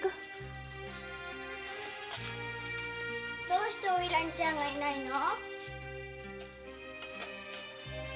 どうしてオイラにはチャンがいないの？